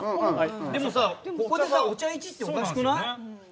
でもさ、ここでさお茶１っておかしくない？